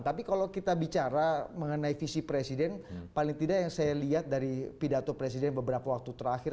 tapi kalau kita bicara mengenai visi presiden paling tidak yang saya lihat dari pidato presiden beberapa waktu terakhir